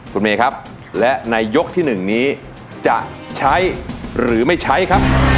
คุณเมย์ครับและในยกที่๑นี้จะใช้หรือไม่ใช้ครับ